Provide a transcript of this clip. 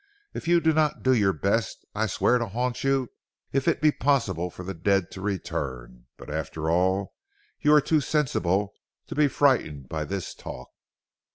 If you do not do your best I swear to haunt you if it be possible for the dead to return. But after all, you are too sensible to be frightened by this 'talk.